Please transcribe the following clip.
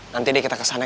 nanti deh kita kesana